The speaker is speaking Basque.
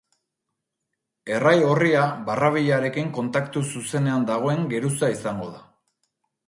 Errai orria barrabilarekin kontaktu zuzenean dagoen geruza izango da.